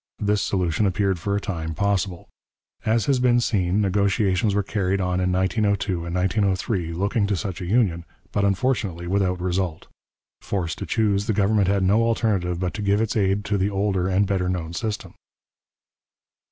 This solution appeared for a time possible. As has been seen, negotiations were carried on in 1902 and 1903 looking to such a union, but unfortunately without result. Forced to choose, the government had no alternative but to give its aid to the older and better known system.